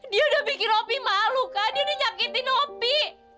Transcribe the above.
dia udah bikin opi malu kak dia udah nyakitin opi